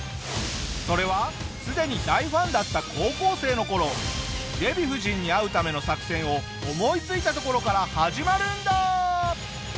それはすでに大ファンだった高校生の頃デヴィ夫人に会うための作戦を思いついたところから始まるんだ！